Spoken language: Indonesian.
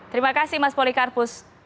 terima kasih mas polikarpus